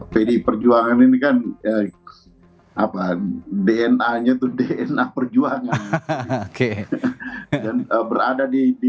pdip perjuangan ini kan dna nya itu dna perjuangan